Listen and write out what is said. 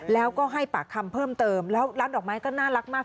แล้วก็ให้ปากคำเพิ่มเติมแล้วร้านดอกไม้ก็น่ารักมาก